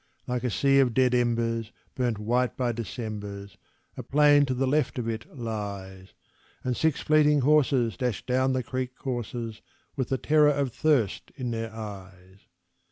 Like a sea of dead embers, burnt white by Decembers, A plain to the left of it lies; And six fleeting horses dash down the creek courses With the terror of thirst in their eyes.